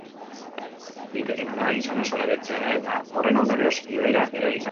Litekeena da gizona zorabiatzea eta, horren ondorioz, ibaira erori izana.